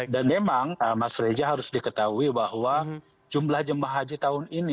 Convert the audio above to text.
dan memang mas reza harus diketahui bahwa jumlah jembat haji tahun ini